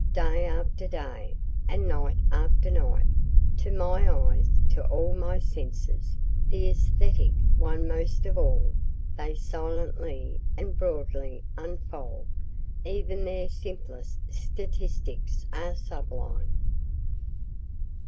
Day after day, and night after night, to my eyes, to all my senses the esthetic one most of all they silently and broadly unfolded. Even their simplest statistics are sublime.